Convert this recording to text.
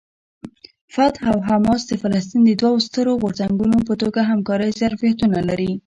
فتح او حماس د فلسطین د دوو سترو غورځنګونو په توګه همکارۍ ظرفیتونه لري.